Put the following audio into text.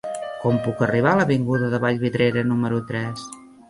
Com puc arribar a l'avinguda de Vallvidrera número tres?